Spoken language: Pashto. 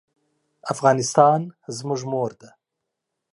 افغانستان زموږ مور ده